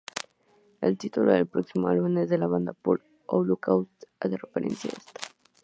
El título del próximo álbum de la banda "Pure Holocaust", hace referencia a esto.